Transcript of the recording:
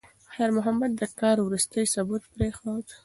خیر محمد د کار وروستی ثبوت پرېښود.